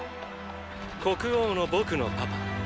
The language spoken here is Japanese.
国王の僕のパパ。